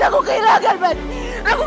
aku kehilangan banyak mas